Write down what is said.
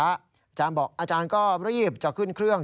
อาจารย์บอกอาจารย์ก็รีบจะขึ้นเครื่อง